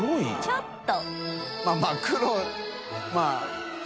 ちょっと。